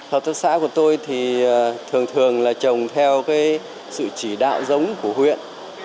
hợp tác xã của tôi thì thường thường là trồng theo sự chỉ đạo giống của huyện